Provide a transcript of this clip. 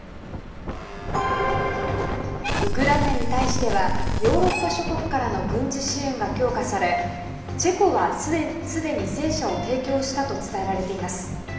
ウクライナに対してはヨーロッパ諸国からの軍事支援が強化されチェコはすでに戦車を提供したと伝えられています。